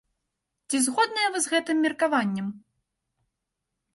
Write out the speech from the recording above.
Ці згодныя вы з гэтым меркаваннем?